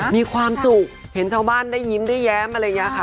มีความสุขเห็นชาวบ้านได้ยิ้มได้แย้มอะไรอย่างนี้ค่ะ